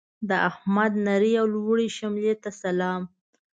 د احمد نرې او لوړې شملې ته سلام.